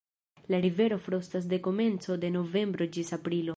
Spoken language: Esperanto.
La rivero frostas de komenco de novembro ĝis aprilo.